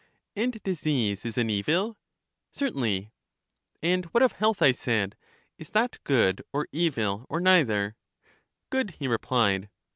And disease is an evil? Certainly. And what of health? I said. Is that good or evil, or neither? Good, he replied.